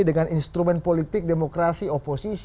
dengan instrumen politik demokrasi oposisi